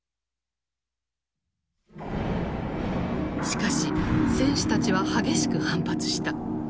しかし選手たちは激しく反発した。